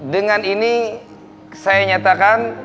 dengan ini saya nyatakan